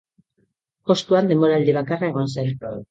Postuan denboraldi bakarra egon zen.